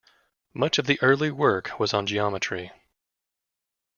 Much of the early work was on geometry.